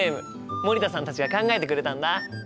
森田さんたちが考えてくれたんだ！